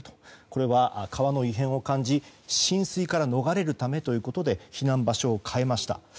これは川の異変を感じ浸水から逃れるためということで避難場所を変えました。